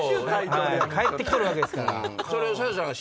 帰って来とるわけですから。